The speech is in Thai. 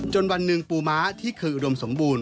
วันหนึ่งปูม้าที่เคยอุดมสมบูรณ